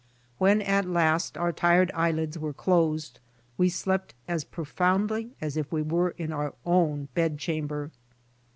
When at last our tired eye lids were closed, we slept as profoundly as if we were in our own bed chamber.